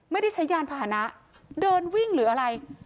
ไม่ได้ใช้ยานพาหนะเดินวิ่งหรืออะไร